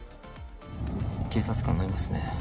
警察官がいますね。